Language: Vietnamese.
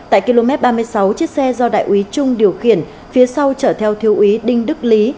tại km ba mươi sáu chiếc xe do đại úy trung điều khiển phía sau chở theo thiếu úy đinh đức lý